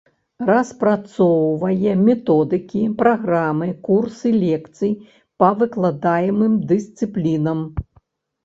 Распрацоўвае методыкі, праграмы, курсы лекцый па выкладаемым дысцыплінам.